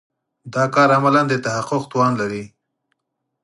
دا کار عملاً د تحقق توان لري.